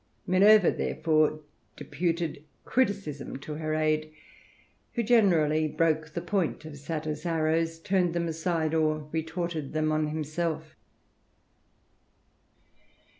Minerva therefore deputed Criticism to her aid, who generally broke the point of Satyr's arrows, turned them aside, or retorted them on himself.